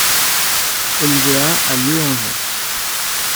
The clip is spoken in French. Olivéa a lieu en juin.